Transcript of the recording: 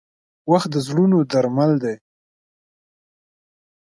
• وخت د زړونو درمل دی.